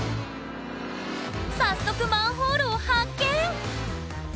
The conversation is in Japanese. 早速マンホールを発見！